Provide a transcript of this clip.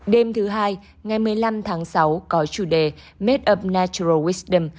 đêm thứ hai ngày một mươi năm tháng sáu có chủ đề made of natural wisdom